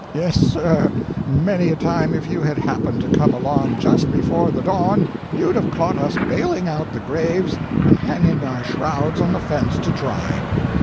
Yes, sir, many a time if you had happened to come along just before the dawn you'd have caught us bailing out the graves and hanging our shrouds on the fence to dry.